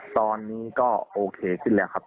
ตอนนี้ก็โอเคขึ้นแล้วครับ